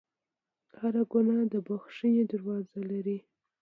هر ګناه د بخښنې دروازه لري.